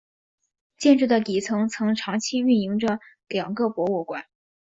建筑的底层曾长期运营着两个博物馆。